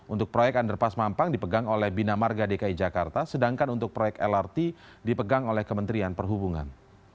untuk proyek underpass mampang dipegang oleh bina marga dki jakarta sedangkan untuk proyek lrt dipegang oleh kementerian perhubungan